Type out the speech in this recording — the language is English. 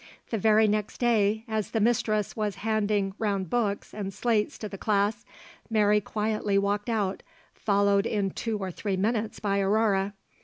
The very next day as the mistress was handing round books and slates to the class, Mary quietly walked out, followed in two or three minutes by Aurore.